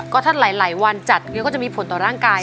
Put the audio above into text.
ก็ถ้าหลายวันจัดก็จะมีผลต่อร่างกาย